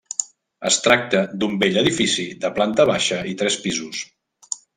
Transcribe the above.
Es tracta d'un vell edifici de planta baixa i tres pisos.